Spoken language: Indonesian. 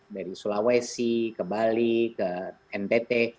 dari sulawesi ke bali ke ntt